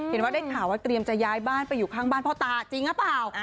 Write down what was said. ว่าได้ข่าวว่าเตรียมจะย้ายบ้านไปอยู่ข้างบ้านพ่อตาจริงหรือเปล่า